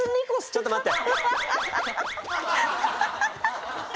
ちょっと待って。